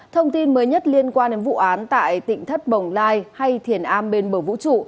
thông tin mới nhất liên quan đến vụ án tại tỉnh thất bồng lai hay thiền a bên bờ vũ trụ